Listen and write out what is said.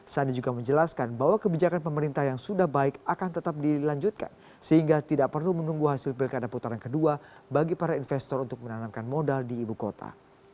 sandi juga menjelaskan bahwa kebijakan pemerintah yang sudah baik akan tetap dilanjutkan sehingga tidak perlu menunggu hasil pilkada putaran kedua bagi para investor untuk menanamkan modal di ibu kota